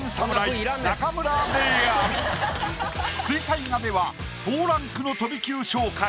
水彩画では４ランクの飛び級昇格。